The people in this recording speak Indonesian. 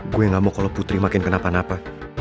gue gak mau kalau putri makin kenapa napa